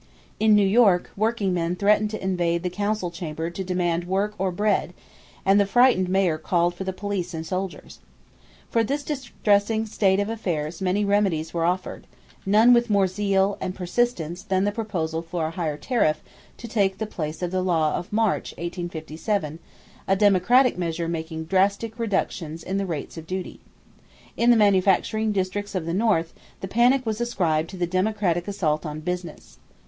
In New York, working men threatened to invade the Council Chamber to demand "work or bread," and the frightened mayor called for the police and soldiers. For this distressing state of affairs many remedies were offered; none with more zeal and persistence than the proposal for a higher tariff to take the place of the law of March, 1857, a Democratic measure making drastic reductions in the rates of duty. In the manufacturing districts of the North, the panic was ascribed to the "Democratic assault on business."